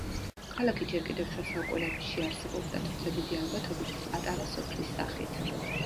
ქალაქი ჯერ კიდევ შუა საუკუნეებში არსებობდა, თუმცა დიდი ალბათობით, პატარა სოფლის სახით.